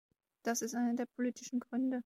Das ist einer der politischen Gründe.